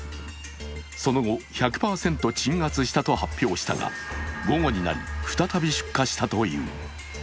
その後１００％鎮圧したと発表したが午後になり再び出火したという。